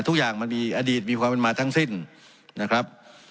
ทุกอย่างมันมีอดีตมีความเป็นมาทั้งสิ้นนะครับ